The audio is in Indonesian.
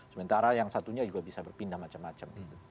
sementara yang satunya juga bisa berpindah macam macam